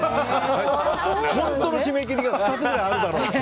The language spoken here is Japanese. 本当の締め切りが２つぐらいあるだろうと。